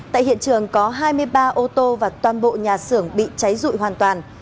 gara ô tô và toàn bộ nhà xưởng bị cháy rụi hoàn toàn